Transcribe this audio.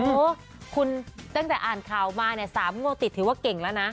โอ้คุณตั้งแต่อ่านข่าวมาเนี่ย๓งวดติดถือว่าเก่งแล้วนะ